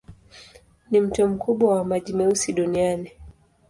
Ni mto mkubwa wa maji meusi duniani.